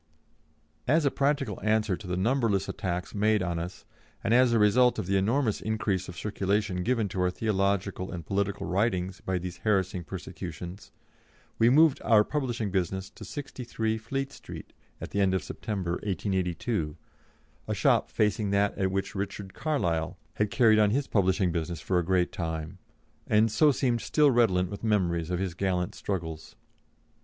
As a practical answer to the numberless attacks made on us, and as a result of the enormous increase of circulation given to our theological and political writings by these harassing persecutions, we moved our publishing business to 63, Fleet Street, at the end of September, 1882, a shop facing that at which Richard Carlile had carried on his publishing business for a great time, and so seemed still redolent with memories of his gallant struggles.